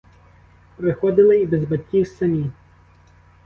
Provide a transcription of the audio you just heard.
Приходили і без батьків, самі.